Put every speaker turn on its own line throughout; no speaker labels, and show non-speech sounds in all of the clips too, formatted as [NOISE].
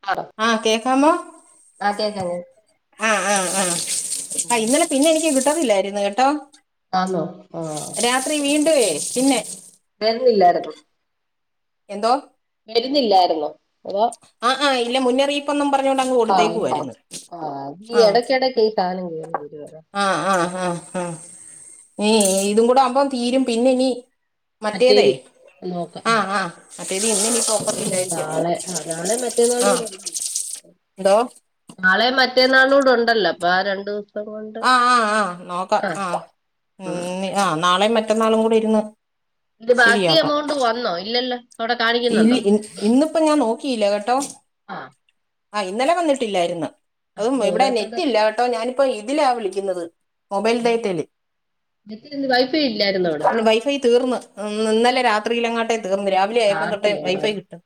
[UNINTELLIGIBLE]
ആ കേക്കാമോ
ആ കേക്കാം കേ
ആ ആ ആ ഇന്നലെ പിന്നെ എനിക്ക് കിട്ടത്തില്ലായിരുന്നു കെട്ടോ
ആന്നോ ആ
രാത്രി വീണ്ടുവേ പിന്നെ
വെരുന്നില്ലാരൊപ്പം
എന്തോ
വരുന്നില്ലായിരുന്നോ അതൊ
ആഹ് ആഹ് ഇല്ല മുന്നറിയിപ്പൊന്നും പറഞ്ഞോണ്ട് അങ്ങ് കൊടുത്തേക്കുവായിരുന്ന് ആഹ്
കെടക്ക് ഈ സാനം കേറി വരുവാ അതാ
ആഹ് ആഹ് ഹാ ഹാ. നി ഇതും കൂടെ ആവുമ്പം തീരും പിന്നെ ഇനി മറ്റേതേ
മറ്റേതി നോക്കാം ആ
ആഹ് ആഹ് മറ്റേത് ഇന്നിനിപ്പോ
നാളെ ആഹ് നാളെ
ആഹ്
മറ്റേന്നാളൂടണ്ടല്ലേ
എന്തോ
നാളേം മ മറ്റേന്നാളൂടെ ഉണ്ടല്ലോ അപ്പൊ ആ രണ്ടു കൊണ്ട്
ആ ആ ആ നോക്കാം ആ
ഉം
ആ നാളേം മറ്റന്നാളും കൂടി ഇര്ന്ന്
തിന്റെ ബാക്കി എമൗണ്ട് വന്നോ ഇല്ലല്ലോ അവിടെ
ഇൽ
കാണിക്കുന്നുണ്ടോ
ഇ ഇന്നിപ്പോ ഞാൻ നോക്കിയില്ല കേട്ടോ
ആ
ആഹ് ഇന്നലെ വന്നിട്ടില്ലായിരുന്നു. അതും
അപ്പൊ
ഇവിടെ
ഓരോരുത്തരുടെ
നെറ്റില്ല കട്ടോ ഞാനിപ്പോ ഇതിലാ വിളിക്കുന്നത്. മൊബൈൽ ഡേറ്റാല്
നെറ്റിൽ ഇന്ന് വൈഫൈ ഇല്ലായിരുന്നോ അവിടെ
[UNINTELLIGIBLE] വൈഫൈ തീർന്ന് ന്ന് ന്നലെ രാത്രിയിലങ്ങാട്ടെ തീർന്ന് രാവിലെ ആയപ്പം
ചാർജ്
തൊട്ടേ വൈഫൈ
ചെയ്യണമായിരുന്നു
കിട്ടു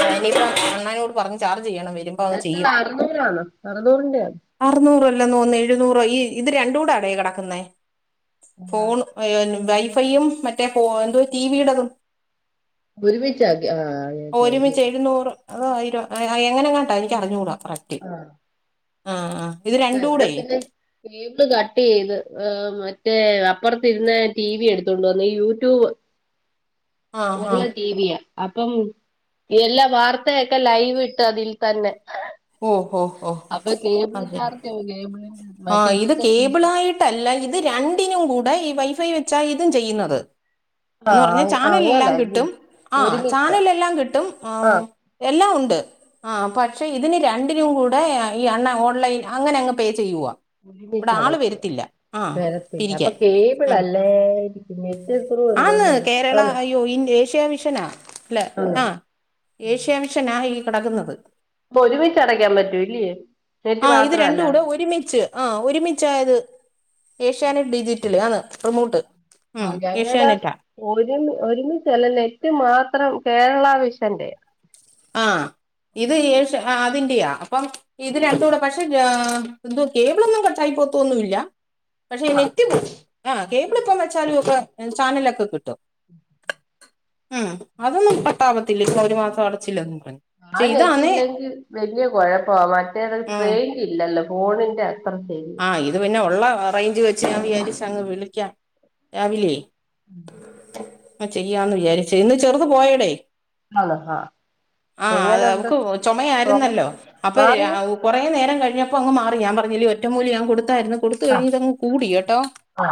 ഞാനിപ്പം അണ്ണാനോട് പറഞ് ചാർജ് ചെയ്യണം വരും
ഡാറ്റ അറുന്നൂറാണോ അറുന്നൂറിന്റെ ആണ്
അറുന്നൂറോ അല്ല നോന്ന് എഴുന്നൂറോ ഈ ഇത് രണ്ടുടെ ആടേ കെടക്കുന്നേ
ആണോ
ഫോണ് വയ് വൈഫൈയും മറ്റേ ഫോ എന്തുവാ ടിവിയുടതും
ഒരുമിച്ച് ആകി ആഹ്
ഓഹ് ഒരുമിച്ച് എഴുന്നൂറ് അതോ ആയിരൊ എങ്ങനെങ്ങാട്ടാ എനിക്ക് അറിഞ്ഞൂടാ കറക്
ആഹ്
ആഹ് ആഹ് ഇത് ര
ആഹ് ഇവിടെ പിന്നെ ടീ ഇന്ന് കട്ട് ചെയ്ത് ഏഹ് മറ്റേ അപ്പൊറത്തിരുന്നെ ടി വി എടുത്തോണ്ട് വന്ന് യൂട്യൂബ്
ആ ആ
പുതിയ ടി വി യാ. അപ്പം എല്ലാ വാർത്തയൊക്കെ ലൈവ് ഇട്ട് അതിൽ തന്നെ
ഓ ഓ ഓ
അപ്പ കേബിൾ
അത് ശരി
ചാർജോ കേബിളിൻ്റെ മറ്റേ ഇവട്ത്തെ സി
തല്ല ഇത് രണ്ടിനും കൂടെ ഈ വൈഫൈ വെച്ചാ ഇതും ചെയ്യുന്നത്. എന്ന് പറഞ്ഞാ
ആഹ്
ചാനൽലെല്ലാം
അങ്ങനല്ലേ
കിട്ടും ആഹ്
ഒരുമിച്ച
ചാനൽ ലെല്ലാം കിട്ടും ആഹ് എല്ലാം ഉണ്ട് ആഹ് പക്ഷേ ഇതിന് രണ്ടിനും കൂടെ ഈ അണ്ണ ഓൺലൈൻ അങ്ങനെ അങ്ങ് പേ ചെയ്യുവാ.
ഒരുമിച്ചടക്ക. വരത്തില്ല അപ്പൊ
പിരിക്കാൻ
കേബിൾ
ആ
അല്ലേ
ആന്ന്
[UNINTELLIGIBLE]
കേരള
ആന്നോ
അല്ല ആഹ് ഏഷ്യ മിഷൻ ആ ഈ കിടക്കുന്നത്
പ്പോ ഒരുമിച്ച് അടയ്ക്കാൻ പറ്റൂ ഇല്ല്യേ
ആഹ് ഇത് രണ്ടൂടെ ഒരുമിച്ച് ആഹ് ഒരുമിച്ചായത് ഏഷ്യാനെറ്റ് ഡിജിറ്റല് ആണ് റീമോട്ട്
ആഹ് ഞങ്ങടെ ഒരുമി ഒരുമിച്ചല്ല. നെറ്റ് മാത്രം കേരള വിഷന്റെ.
ആഹ് ഇത് ഏഷ്യ ആഹ് അതിന്റെയാ അപ്പം ഇതിനത്തൂടെ പക്ഷെ ആഹ് എന്തുവാ കേബിളൊന്നും കട്ടായി പോവത്തൊന്നു ഇല്ല. പക്ഷെ ഈ
ആ
നെറ്റ് പോവും. ആഹ്
നെറ്റ്
കേബിളിപ്പം
പോയി
വെച്ചാലും ഒക്കെ ചാനലൊക്കെ കിട്ടും ആഹ് അതൊന്നും കട്ടാവത്തില്ല ഇനി ഒരു മാസം അടച്ചില്ലന്നും പറഞ്ഞ്
ആ നെറ്റില്ലെങ്കിൽ വല്യ കൊഴപ്പവാ മറ്റേത് റൈ
ഉം
യ്ഞ്ചില്ലല്ലോ ഫോണിന്റെ അത്ര ചെയ്
ആഹ്. ഇതുപിന്നെ ഉള്ള റേഞ്ചു വെച്ചു ഞാൻ വിചാരിച്ചു അങ്ങുവിളിക്കാം, രാവിലേ ചെയ്യാംന്നു വിചാരിച്ച്. ഇന്നു ചെറുതു പോയടേ?
ആണോ ആ
ആഹ്. അതെ
എങ്ങനുണ്ട്
അവൾക്കു
തോമസ്
ചുമയായിരുന്നല്ലോ, അപ്പൊ രാ
മാറിയോ
കൊറേ നേരം കഴിഞ്ഞപ്പോ അങ്ങു മാറി. ഞാൻ പറഞ്ഞില്ലേ ഒറ്റമൂലിയങ്ങു കൊടുത്തായിരുന്നു, കൊടു ത്ത്
ആ
കഴിഞ്ഞിട്ടങ്ങു കൂടി കേട്ടോ,
ആ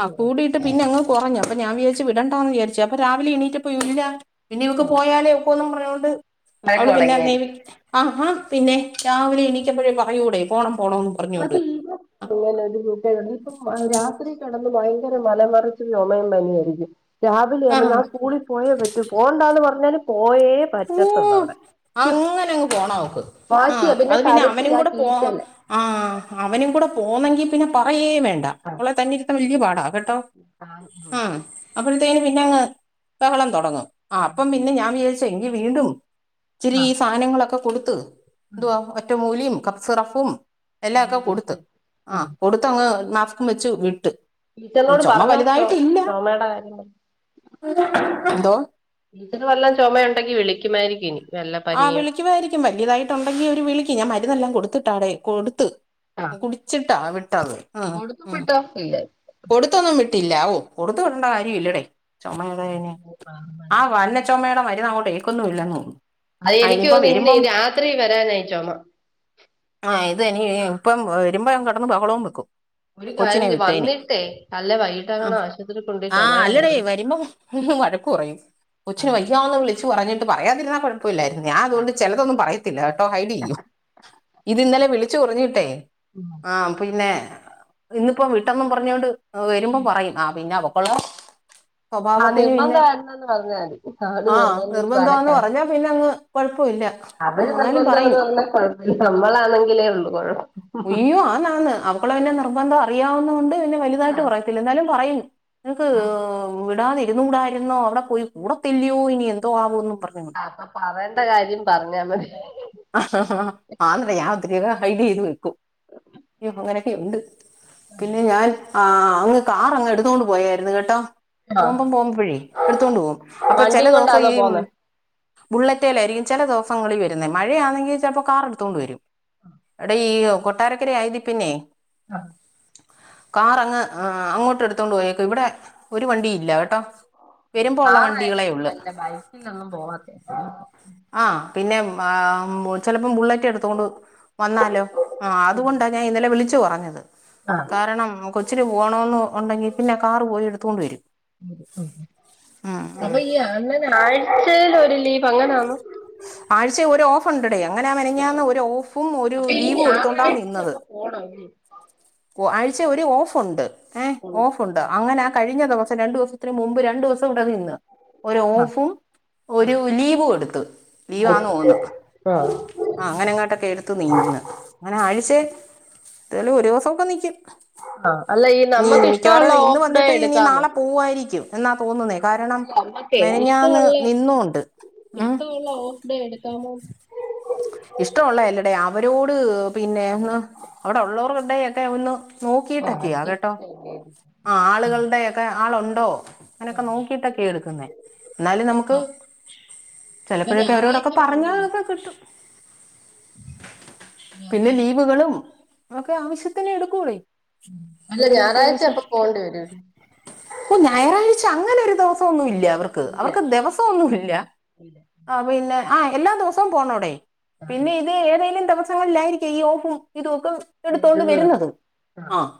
ആഹ് കൂടിയിട്ട് പിന്നെങ്ങ്‌ കൊറഞ്ഞു അപ്പൊഞാൻ വിചാരിച്ചു വിടണ്ടാന്നു വിചാരിച്ചു അപ്പോ രാവി എണീറ്റപ്പോ എങ്ങനെയാ പിന്നെ ഇവക്കുപോയാലെ ഒക്കുന്നും പറഞ്ഞോണ്ട്
വഴക്ക്
അവളുപിന്നെ അമ്മേ
തുടങ്ങിയായിരിക്കും
വിളി ആഹ പിന്നെ രാവിലെ എണീറ്റപ്പഴെ പറയൂടെ പോണം പോണോന്ന് പറഞ്ഞോണ്ട്
പോലത്തെ ഈഗോ അങ്ങനൊരു സൂകേടുണ്ട് ഇപ്പം മ രാത്രികിടന്നു ഭയങ്കര മലമറിച്ചു ചുമയും പനിയാരിക്കും. രാവിലെയന്ന് ഞാൻ
ആഹ്
സ്കൂളിൽപോയേ പറ്റൂ പോകണ്ടാന്നു പറഞ്ഞാലും പോയേ
ഓ
പറ്റത്തുള്ളവിടെ യ്യോ
അങ്ങനെ അങ്ങ് പോണം അവക്ക്
വാശിയാ പിന്നെ കരച്ചിലാ കീറ്റല്
ആഹ് അവനുംകൂടെ പോന്നെങ്കി പിന്നെ പറയേം വേണ്ട
ആ
അവളെ തന്നെയിരുത്താൻ വല്ല്യ പാടാ കെട്ടോ.
[UNINTELLIGIBLE]
അപ്പോളത്തേനു പിന്നെയങ്ങ് ബഹളം തുടങ്ങും. ആ അപ്പം പിന്നെ ഞാൻ വിചാരിച്ചു എങ്കി വീണ്ടും
ആ
ഇച്ചിരിയീസാധനങ്ങളൊക്കെ കൊടുത്ത്
ഉം.
എന്തുവാ ഒറ്റമൂലിയും കഫ്സിറപ്പും
എന്നാ
എല്ലാക്കെ കൊടുത്തു
കൊടുത്തേ. ആ
ആഹ് കൊടുത്തങ്ങ് മാസ്ക്കുംവെച്ചു വിട്ടു.
ടീച്ചറിനോട്
ചൊമ
പറഞ്ഞോ ചോ
വലുതായിട്ടില്ല
ചുമയുടെ കാര്യം പറ
എന്തോ
ടീച്ചറും വല്ലൊ ചൊമയൊണ്ടെങ്കി വിളിക്കുമാരിക്കും ഇനി വല്ല
ആഹ്‌
പനിയോ
വിളിക്കുവാരിക്കും വല്ല്യതായിട്ടുണ്ടെങ്കി അവരുവിളിക്കും ഞാൻ മരുന്നെല്ലാം കൊടുത്തിട്ടാടെ കൊടുത്തു.
ആഹ്
കുടിച്ചിട്ടാ വിട്ടത് ആഹ്
കൊടുത്തും വിട്ടോ ഇല്ലെ
കൊടുത്തൊന്നും വിട്ടില്ല ഓ കൊടുത്തുവിടണ്ട കാര്യവില്ലടേ ചൊമ [UNINTELLIGIBLE] ആ വന്നി ചൊമേടെ മരുന്നങ്ങോട്ടേക്കുന്നുവില്ലന്നു തോന്നുന്നു. ആ
അയെനിക്കു
ഇനിയിപ്പം
തോന്നുന്നെ ഇന്നീ
വരുമ്പം
രാത്രി വരാനാ ഈ ചൊമ
ആഹ് ഇത് ഇതിനിയി ഇപ്പം വരുമ്പോ ഞാൻ കിടന്നു ബഹളോം വെക്കും
ഒരു കാര്യം
കൊച്ചിനെ
ചെയ്യ്
വിട്ടേന്
വന്നിട്ടേ അല്ലെ
അ
വൈകിട്ടങ്ങാണം ആശുപത്രി കൊണ്ടോയി
ആ
ചുമയുടെ
അല്ലടേ
മരുന്ന്
വരുമ്പം ഉം ഉം വഴക്കുപറയും കൊച്ചിനു വയ്യാന്നുവിളിച്ചു പറഞ്ഞിട്ട് പറയാതിരുന്നാ കുഴ പ്പവില്ലാരുന്നു ഞാനതുകൊണ്ട് ചിലതൊന്നും പറയത്തില്ല കേട്ടോ ഹൈഡ്ചെയ്യും. ഇതിന്നലെ വിളിച്ചു പറഞ്ഞിട്ടേ
പിന്നെ
ആം പിന്നെ ഇന്നിപ്പോം വീട്ടെന്നും പറഞ്ഞോണ്ടു വരുമ്പോ പറയും ആ പിന്നെ അവക്കൊള്ളെ
ആഹ്
സ്വഭാവത്തിനുപിന്നെ
നിർബന്ധമായിരുന്നെന്ന് പറഞ്ഞാ മതി അവര്
ആ
നിർബന്ധിച്ചു
നിർബന്ധാന്ന് പറഞ്ഞാ പിന്നങ്ങ് കുഴപ്പവില്ല
അവരുനിർബന്ധാന്നു പറഞ്ഞാ കൊഴപ്പവില്ല നമ്മളാണെങ്കിലേയുള്ളു കൊഴപ്പം.
ഉയ്യോ ആന്നാന്ന് അവാക്കൊള്ള പിന്നെ നിർബന്ധം അറിയാവുന്ന കൊണ്ട് പിന്നെ വലുതായിട്ടുപറയത്തില്ല എന്നാലും പറയും. നിനക്ക് വിടാതിരുന്നൂകൂടാരുന്നോ അവിടെ പോയി കൂടത്തില്ലയോ ഇനി എന്തോ ആവുന്നും
അപ്പ പറയണ്ടകാര്യം പറഞ്ഞാ മതി
ആഹ ഹ ഹ ആന്നേ ഞാനോത്തിരിയൊക്കെ ഹൈഡുചെയ്തുവെക്കും യ്യോ അങ്ങനൊക്കെയുണ്ട്. പിന്നെ ഞാൻ ആ അങ്ങ് കാറങ്ങെടുത്തോണ്ടു പോയാരുന്നു കെട്ടോ.
ആഹ്
പോമ്പം പോമ്പഴെ എടുത്തോണ്ടു പോകും അപ്പൊ ചെല
വണ്ടിയും
ദിവസം
കൊണ്ടാന്നോ
ഈ
പോന്നേ
ബുള്ളറ്റേലായിരിക്കും ചില ദിവസങ്ങളി വരുന്നേ മഴയാണെങ്കി ചിലപ്പോ കാറെടുത്തോണ്ടു വരും. എടായീ കൊട്ടാരക്കര ആയതിപ്പിന്നയേ
ആഹ്
കാറങ്ങ് ആ അ അങ്ങോട്ടെടുത്തോണ്ടു പോയേക്കുവ ഇവിടെ ഒരു വണ്ടില്ലട്ടോ.
കാറാരിക്കും നല്ല ബൈക്കിലൊന്നും പോകാതെ [INAUDIBLE]
ആഹ് പിന്നെ ആ ചിലപ്പം ബുള്ളറ്റെടുത്തോണ്ട് വ വന്നാലൊ ആഹ് അതുകൊണ്ടാ ഞാനിന്നലെ വിളിച്ചു പറഞ്ഞത്
ആഹ്
കാരണം കൊ ച്ചിന് പോണോന്ന് ഒണ്ടെങ്കി പിന്നെ കാറുപോയി എടുത്തോണ്ടുവരും.
വരും ഉം ഉം അപ്പ ഈ അണ്ണന് ആഴ്ചേലൊരു ലീവ ങ്ങനാന്നൊ
ആഴ്ച്ചെ ഒരൊഫൊണ്ടടേ അങ്ങന മിനിഞ്ഞാന്ന് ഒരോഫും ഒരു ലീവും എടുത്തോണ്ടാ നിന്നത്.
പൊണവല്ല്യേ
ഒ ആഴ്ച്ചെ ഒര് ഓഫോണ്ട് ഏഹ് ഓഫോണ്ട് അങ്ങന കഴിഞ്ഞ ദിവസം രണ്ടു ദിവസത്തിന് മുമ്പ് രണ്ടു ദിവ സം ഇവിടെ നിന്ന് ഒരൊഫും ഒരു ലീവും എടുത്തു ലീവാന്ന് തോന്നുന്നു
ആഹ്
ആ അങ്ങനെ അങ്ങനാണ്ടെക്കെ എടുത്ത് നിന്ന് അങ്ങനെ ആഴ്ചേ ഏതേലും ഒരു ദിവസൊക്കെ നിക്കും
ആഹ് അല്ല ഈ നമ്മക്ക് ഇഷ്ടൊള്ള
ഇന്ന്
ഓഫ് ഡേ
വന്നിട്ട് ഇനി
എടുക്കാമോ
നാളെ പോവായിരിക്കും എന്നാ തോന്നുന്നേ കാരണം
നമ്മക്കെ
മെനഞ്ഞാന്ന്
ഇഷ്ടമുള്ള
നിന്നുണ്ട് ഉം
ലീവ് എടുക്കാമോ
ഇഷ്ടൊള്ള അല്ലടെ അവരോട് പിന്നെ ഒന്ന് അവിടെ ഒള്ളവരുടെക്കെ ഒന്ന് നോക്കിട്ടൊക്കെയാ കേട്ടോ
അഡ്ജസ്റ്റ്
ആഹ് ആളുകളുടെക്കെ ആളോണ്ടോ അങ്ങനൊക്കെ നോക്കിട്ടൊക്കെ എടുക്കുന്നെ എന്നാലും
ആ
നമുക്ക്
ഇപ്പൊ
ചെലപ്പഴക്കെ അവരോടൊക്കെ
ഞായറാഴ്ച പോകേണ്ടി വരും
പറഞ്ഞാലോക്കെ കിട്ടും
[UNINTELLIGIBLE]
പിന്നെ
ഞായറാഴ്ച
ലീവുകളും ഇതൊക്കെ ആവിശ്യത്തിന് എടുക്കൂവെടേ
അല്ല ഞായറാഴ്ച അപ്പൊ പോവണ്ടി വരും
ഓ ഞായറാഴ്ച്ച അങ്ങനൊരു ദിവസൊന്നും ഇല്ല അവർക്ക് ക്ക്‌
ഇല്ല
അവർക്ക് ദെവസോം ഒന്നുല്ല
ഇല്ല
പിന്നെ ആഹ് എല്ലാ ദിവസവും പോണോടെ പിന്നെ ഇത് ഏതെലും ദിവസങ്ങളിലായിരിക്കും ഈ ഓഫും ഇതൊക്കെ എടുത്തോണ്ട് വരുന്നത്
ആ
ആഹ്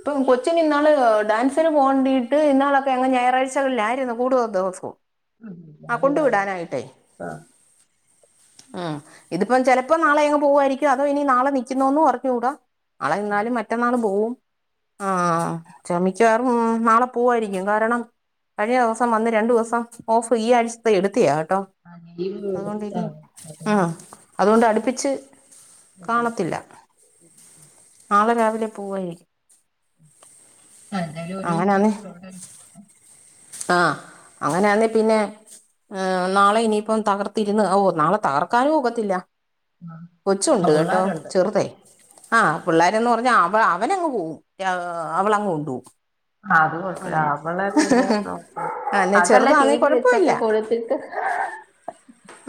ഇപ്പം കൊച്ചിനിന്നാളു ഡാൻസിനു പോകേണ്ടിയിട്ട് ഇന്നാളൊക്കെ അങ്ങ് ഞായറാഴ്ചകളിലായിരുന്നു കൂടുതൽ ദിവസവും. ആഹ് കൊണ്ട് വിടാനായിട്ടെ
ആഹ്
ആഹ് ഇതിപ്പം ചിലപ്പോ നാളെഅങ്ങ് പോവായിരിക്കും അതോ ഇനി നാളെ നിക്കുനൊന്നും അറിഞ്ഞൂട നാളെ നിന്നാലും മറ്റന്നാള് പോകും ആഹ് ച്ചമിക്കവാറും മ് നാളെ പോവായിരിക്കും കാരണം കഴിഞ്ഞ ദിവസം വന്ന് രണ്ട് ദിവസം ഓഫ് ഈ ആഴ്ചത്തെ എടുത്തയാ കേട്ടോ
ആഹ് ലീവ് എടുത്തെ
ആഹ് അതുകൊണ്ട് അടുപ്പിച്ച് കാണത്തില്ല നാളെ രാവിലെ പോവായിരിക്കും
ആഹ് എന്തായാലും ഒരു ദിവസം വീട്ടിലൊണ്ടല്ലോ
ആഹ് അങ്ങനാന്നെ പിന്നെ ആഹ് നാളെ ഇനിയിപ്പം തകർത്തിരുന്ന് ഓ നാളെ തകർക്കാനും ഒക്കത്തില്ല
ആ
കൊച്ചുണ്ട് കേട്ടോ
പിള്ളേരുണ്ട്
ചെറുതെ ആഹ് പുള്ളാരന്ന് പറഞ്ഞ അവ അവ അവനങ്ങ് പോകും രാ അവളങ്ങ് കൊണ്ട് പോം
ആ അത് കൊഴപ്പില്ല അവളെ പിന്നെ നോക്ക
ആ എന്നെ
അതല്ല ടി
ചെറുതാന്നേ
വി
കുഴപ്പമില്ല
വെച്ചൊക്കെ കൊടുത്തിട്ട്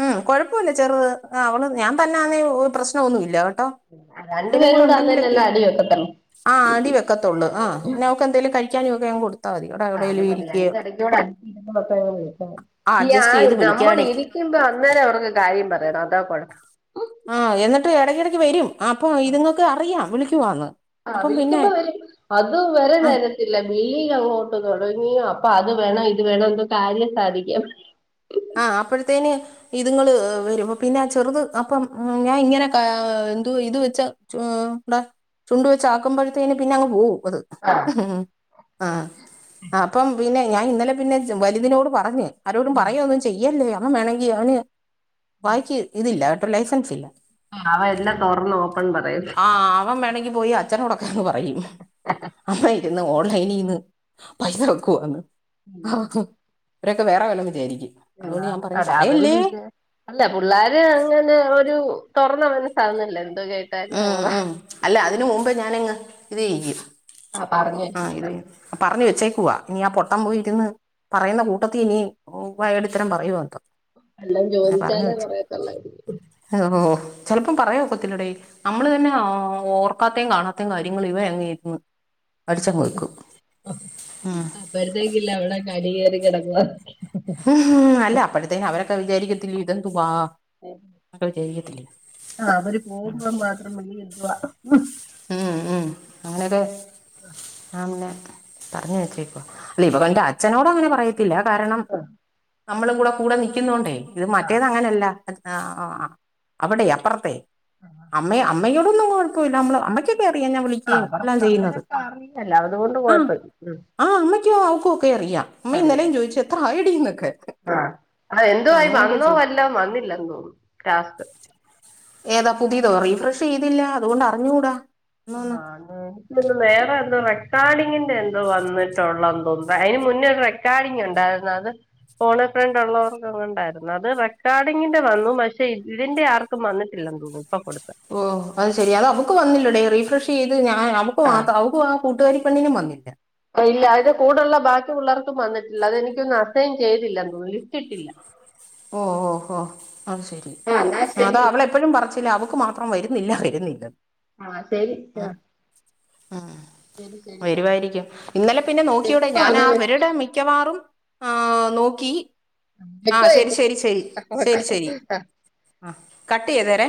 ഉം കൊഴപ്പല്ല ചെറുത് അ അവള് ഞാൻ തന്നാന്നെ പ്രശ്നൊന്നുല്ല കേട്ടോ
രണ്ടു
ഇവനും കൂടെ
പേരൂടെ അന്നേലല്ലേ
ഉണ്ടെങ്കിലൊക്കെയാ
അടി വെക്കത്തുള്ളൂ
ആഹ് അടി വെ ഒക്കത്തൊള് ആഹ് പിന്നെ അവക്ക് എന്തെലും കഴിക്കാനുംക്കെ ഞാൻ കൊടു
ആഹ് അത് മതി ആയിന്റെ എടക്കൂടെ
ആ
[INAUDIBLE]
അഡ്ജസ്റ്റ്
ഇയാൻ
ചെയ്ത് വിളിക്കാടെ
നമ്മളിരി രിക്കുമ്പോ അന്നേരം അവർക്ക് കാര്യം പറയണം അതാ കൊഴപ്പം
ആഹ് എന്നിട്ട് എടക്കടക്ക് വരും അപ്പൊ ഇത്ങ്ങക്ക് അറിയാം വിളിക്കുവാന്ന്
ആഹ്
അപ്പം പിന്നെ
വിളിക്കുമ്പോ വ അത് വരെ
ആ
നേരത്തില്ല മീനങ്ങോട്ട് തൊടങ്ങിയ അപ്പൊ അത് വേണം ഇത് വേണം എന്തോ കാര്യം സാധിക്കും
ആഹ് അപ്പ്ഴ്ത്തേന് ഇതുങ്ങള് വരും പിന്നെ അ ചെറുത് അപ്പം മ് ഞാൻ ഇങ്ങനെ ക എന്തോ ഇത് വെച്ച ചോറാ ചുണ്ട് വെച്ച് ആക്കുമ്പോഴത്തേന് പിന്നെ അങ്ങ് പോകും അത്
ആഹ്
ഉം ആഹ് അപ്പം പിന്നെ ഞാൻ ഇന്നലെ പിന്നെ വലുതിനിനോട് പറഞ്ഞ് ആരോടും പറയൊന്നും ചെയ്യല്ലേ അവൻ വേണങ്കി അവന് വായിക്ക് ഇതില്ല ലൈസൻസ് ഇല്ല
അവന് എല്ലാം തുറന്നു ഓപ്പൺ പറയും
ആ അവൻ വേണെങ്കി പോയി അച്ഛനോടൊക്കെങ്ങ് പറയും അമ്മ ഇരുന്ന് ഓൺലൈനിൽന്ന് പൈസ വെക്കുവന്ന് അവരൊക്ക വേറെ വല്ലം വിചാരിക്കും.
ആ
ഞാൻ പറഞ്ഞു
അത അവര്
പറയല്ലേ
വീച- അല്ല പിള്ളോര് അങ്ങനെ ഒരു തുറന്ന മനസാ ഉള്ളത് എന്ത്‌
ഉം ഉം അല്ല അതിന് മുമ്പ് ഞാനങ്ങ് ഇത് ചെയ്യും.
ആ പറഞ്ഞ്
ആ ഇത് പറഞ്ഞഞ് വെച്ചേക്കുവ ഇനി ആ പൊട്ടം പോയിരുന്ന് പറയുന്ന കൂട്ടത്തിൽ ഇനി വായാടിത്തരം പറയുവോ ന്തോ
എല്ലാം
പറഞ്ഞ്
ചോദിച്ചാലേ
വെച്ച
പറയത്തുള്ളായിരിക്കും
ഓ ഹോ ചിലപ്പം പറയാ ഒക്കത്തില്ലടെ നമ്മള് തന്നെ ഓർക്കാത്തെയും കാണാത്തെയും കാര്യങ്ങ ഇവ അങ്ങെ ഇരുന്നു
അതേ പ്പം
ഉം.
അപ്പറത്തേക്കില്ല അവിടെ കടി കേറി കെടക്കുവാ
ഉം അല്ല അപ്പോഴത്തേക്കും അവരൊക്കെ വിചാരിക്കത്തില്ല ഇതെന്തുവാ
ഉം
അപ്പൊ ചെയ്യത്തില്ലെ
ആ അവര് പോകുമ്പോൾ മാത്രമല്ല എന്തുവാ.
ഉം ഉം അങ്ങനെക്കെ ആല്ലെ പറഞ്ഞഞ് വെച്ചേക്കുവ അല്ല ഇവ എന്റെ അച്ഛനോട അങ്ങനെ പറയ പത്തില്ല കാരണം നമ്മളെ കൂടെ കൂടെ നൽക്കുന്നുണ്ടേ ഇത്
ആ
മറ്റേത് അങ്ങനെയല്ല. ആ ആ അവിടെ അപ്പുറത്തെേ അമ്മ അമ്മയോടൊന്നും കുഴപ്പമില്ല നമ്മള്- അമ്മക്കൊക്കെയറിയാെ ഞാൻ വിളി
അല്ലാത അവരൊക്കെ അറിയാലോ അത് കൊണ്ട് കൊഴപ്പില്ല ഉം
ആഹ് അമ്മയ്ക്കോ അവക് ഒക്കെ അറിയാം അമ്മ ഇന്നലെയും ചോയിച്ചു എത്ര ആയെടിന്നൊക്കെ.
ആ അ എന്തു ആ വന്നോ അല്ല വന്നില്ലന്ന് തോന്നുന്നു ലാ സ്റ്റ്
ഏതാ പുതിയതോ റീഫ്രഷ് ചെയ്തില്ല അതുകൊണ്ട് അറിഞ്ഞുകൂടാ. എന്നൊന്ന്
ആഹ് എനി നേറെ എന്തോ റെക്കോർഡിങ്ങിന്റെ എന്തോ വന്നിട്ടുള്ള എന്തോ അതിന് മുന്നേരു റക്കാർഡിങ്ങ് ഉണ്ടായിരുന്നു അത് ഫോൺ എ ഫ്രണ്ട് ഉള്ളവർക്കണ്ടായിരുന്നു അത് റെക്കോർഡിങ്ങിന്റെ വന്നു പക്ഷെ ഇതിന്റെ ആർക്കും വന്നിട്ടില്ല തോന്നുന്നു പ്പ കൊടുത്തത്
ഓ അത് ശരി അത് അവക്ക് വന്നില്ലടേ റീഫ്രഷ് ചെയ്ത് ഞാൻ അപ്പൊ ആ അവക്കും ആ കൂട്ടുകാരി പെണ്ണിനും വന്നില്ല
ഇല്ല അതിന്റെ കൂടുള്ള ബാക്കി ഉള്ള പിള്ളർക്കും വന്നിട്ടില്ല അതെനിക്കൊന്ന് ണ്‌ അത് അസൈൻ ചെയ്തില്ലന്ന ലിസ്റ്റ് ഇട്ടില്ല [INAUDIBLE] ഇല്ല
ഓ ഓ ഓ അത് ശരി
ആ എന്നാ
അത
ശരി
അവളെ എപ്പോഴും പറച്ചില അവക്ക് മാത്രം വരുന്നില്ല വരുന്നില്ല.
ആഹ് ശരി ആ
ആഹ്
ശരി ശരി ആ
വരുവായിരിക്കും ഇന്നലെ പിന്നെ നോക്കിയാടെ ഞാൻ
വെക്കുവാണ്
ആ അവരുടെ മിക്കവാറും. ആഹ് നോക്കി ആ
വെക്കുവാ
ശരി
ചേച്ചി
ശരി ശരി
ആ വെക്കുവാ
ശരി ശരി
ആ
ആ കട്ട് ചെയ്ത തെരാ